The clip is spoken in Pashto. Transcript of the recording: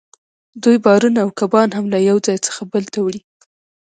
دوی بارونه او کبان هم له یو ځای څخه بل ته وړي